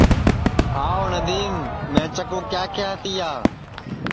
آو ندیم میں چکُو کیا کیہیا تیا